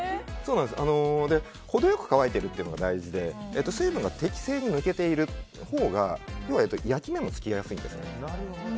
程良く乾いているというのが大事で水分が適正に抜けているほうが焼き目も付きやすいんです。